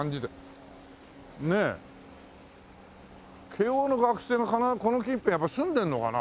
慶應の学生が必ずこの近辺やっぱ住んでるのかな？